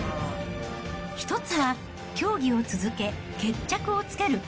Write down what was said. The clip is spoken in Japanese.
１つは、競技を続け、決着をつける。